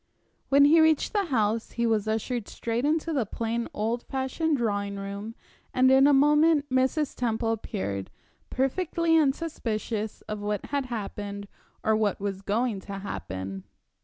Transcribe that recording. When he reached the house he was ushered straight into the plain, old fashioned drawing room, and in a moment Mrs. Temple appeared, perfectly unsuspicious of what had happened or what was going to happen.